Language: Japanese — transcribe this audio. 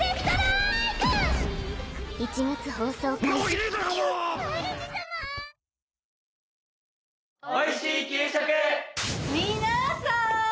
皆さーん！